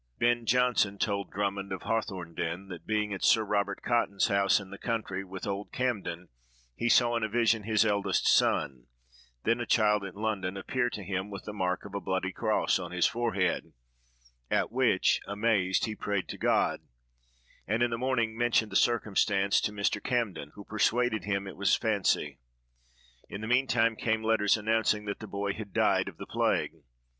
Ben Jonson told Drummond, of Hawthornden, that, being at Sir Robert Cotton's house, in the country, with old Cambden, he saw, in a vision, his eldest son, then a child at London, appear to him with a mark of a bloody cross on his forehead; at which, amazed, he prayed to God; and, in the morning, mentioned the circumstance to Mr. Cambden, who persuaded him it was fancy. In the meantime, came letters announcing that the boy had died of the plague.